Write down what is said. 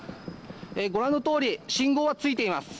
ご覧のとおり信号はついています。